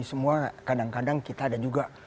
semua kadang kadang kita ada juga